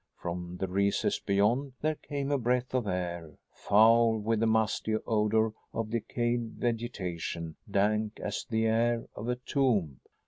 From the recess beyond there came a breath of air, foul with the musty odor of decayed vegetation, dank as the air of a tomb.